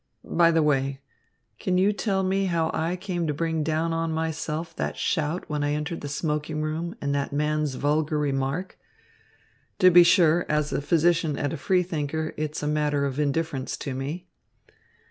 By the way, can you tell me how I came to bring down on myself that shout when I entered the smoking room and that man's vulgar remark? To be sure, as a physician and free thinker it's a matter of indifference to me."